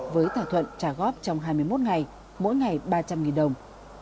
với thỏa thuận trả góp trong hai mươi một ngày mỗi ngày ba trăm linh đồng